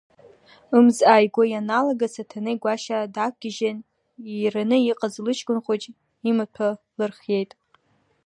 Ымз ааигәо ианалага, Саҭанеи Гәашьа даақәгьежьын иираны иҟаз лыҷкәын хәыҷ имаҭәа лырхиеит…